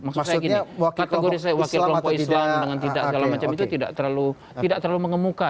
maksudnya kategori saya wakil kelompok islam dengan tidak segala macam itu tidak terlalu mengemuka